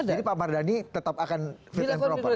jadi pak mardhani tetap akan fit and proper